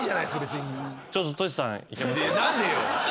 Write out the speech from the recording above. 何でよ？